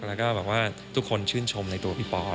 แล้วก็แบบว่าทุกคนชื่นชมในตัวพี่ปอ